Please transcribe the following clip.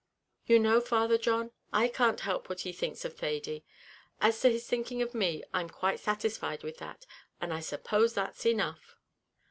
"You know, Father John, I can't help what he thinks of Thady. As to his thinking of me, I'm quite satisfied with that, and I suppose that's enough."